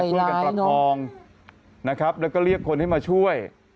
ใจร้ายนะคุณตาน่าพรากฏแล้วก็เรียกคนให้มาช่วย